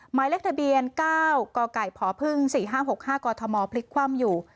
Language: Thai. หมายเลขทะเบียน๙กไก่พพ๔๕๖๕กธมพลิกคว่ำอยู่